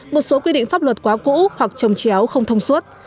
một số quy định pháp luật quá cũ hoặc trồng chéo không thông suốt